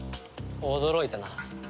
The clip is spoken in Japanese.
驚いたな。